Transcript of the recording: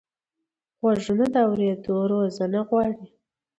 غوږونه د اورېدنې روزنه غواړي